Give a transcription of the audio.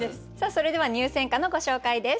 それでは入選歌のご紹介です。